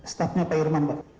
staffnya pak irman pak